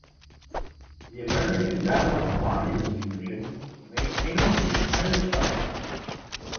The American Battle Monuments Commission maintains the entire site.